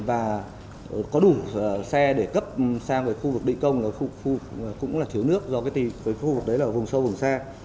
và có đủ xe để cấp sang khu vực định công cũng là thiếu nước do khu vực đấy là vùng sâu vùng xe